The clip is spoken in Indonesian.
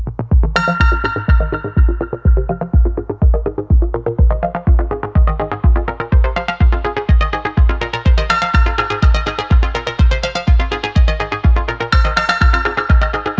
yang paling kali mau periksa punya papan tuh y generated